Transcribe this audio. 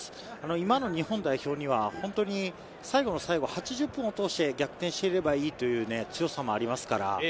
今の日本代表には本当に最後の最後、８０分を通して逆転していればいいという強さもありますから。